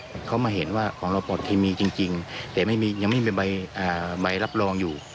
ขอบครองวัดดันเต็มรายของเราเป่าใหม่จริงแต่ยังไม่มีใบรับรองอยู่